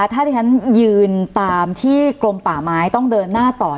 ถ้าที่ฉันยืนตามที่กรมป่าไม้ต้องเดินหน้าต่อ